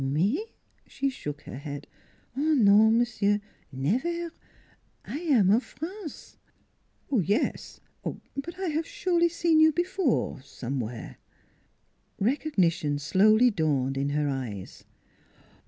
"Me?" she shook her head. " Non, m'sieu', nevaire. I am of France." "Yes; but I have surely seen you before somewhere." Recognition slowly dawned in her eyes.